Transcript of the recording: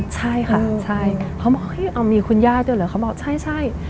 ใช่ค่ะใช่เขาบอกเฮ้ยเอามีคุณย่าด้วยเหรอเขาบอกใช่